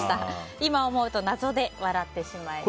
今思うと謎で笑ってしまいます。